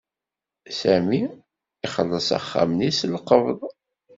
Sami ixelleṣ axxam-nni s lqebḍ.